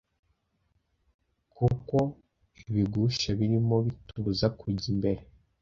kukw ibigusha birimo bitubuza kujya imbere.